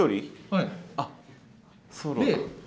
はい。